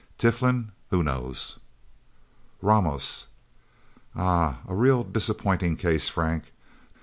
Tiflin? Who knows?" "Ramos?" "Ah a real disappointing case, Frank.